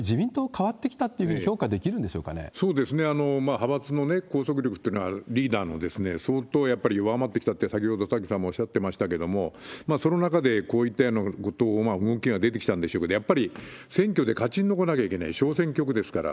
派閥の拘束力っていうのはリーダーの相当やっぱり弱まってきたって、先ほど田崎さんもおっしゃってましたけど、その中で、こういったようなこと、動きが出てきたんでしょうけど、やっぱり選挙で勝ち残らなきゃいけない、小選挙区ですから。